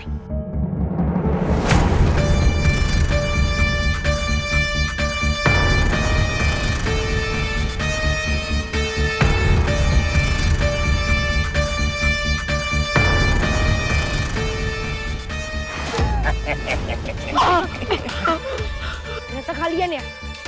ternyata kalian ya